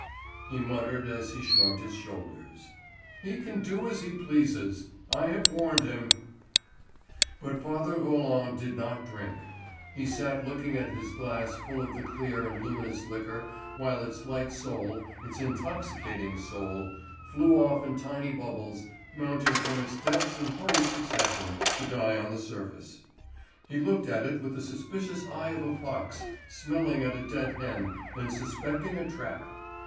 He muttered, as he shrugged his shoulders. "He can do as he pleases. I have warned him." But father Roland did not drink. He sat looking at his glass full of the clear and luminous liquor while its light soul, its intoxicating soul, flew off in tiny bubbles mounting from its depths in hurried succession to die on the surface. He looked at it with the suspicious eye of a fox smelling at a dead hen and suspecting a trap.